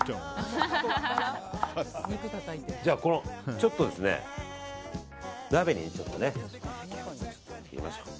ちょっと、鍋に入れていきましょう。